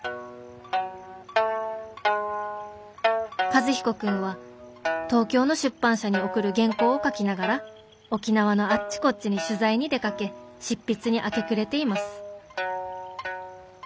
「和彦君は東京の出版社に送る原稿を書きながら沖縄のあっちこっちに取材に出かけ執筆に明け暮れています」。